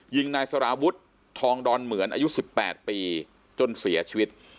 ยิงนายสารวุฒิทองดอนเหมือนอายุ๑๘ปีจนเสียชีวิต